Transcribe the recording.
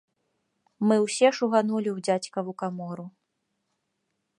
Мы ўсе шуганулі ў дзядзькаву камору.